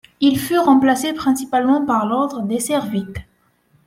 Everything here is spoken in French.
Ils furent remplacés principalement par l'ordre des servîtes.